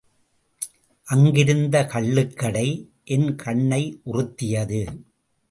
அங்கிருந்த கள்ளுக்கடை என் கண்னை உறுத்தியது.